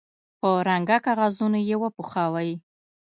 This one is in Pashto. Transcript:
په رنګه کاغذونو یې وپوښوئ.